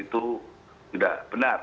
itu tidak benar